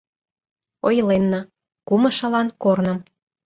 Ойленна: кумышылан корным